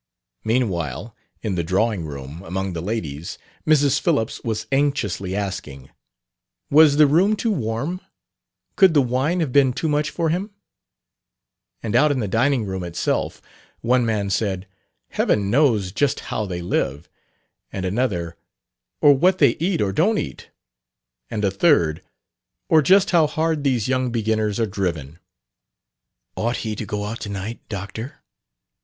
Meanwhile, in the drawing room, among the ladies, Mrs. Phillips was anxiously asking: "Was the room too warm? Could the wine have been too much for him?" And out in the dining room itself, one man said, "Heaven knows just how they live;" and another, "Or what they eat, or don't eat;" and a third, "Or just how hard these young beginners are driven." "Ought he to go out to night, Doctor?"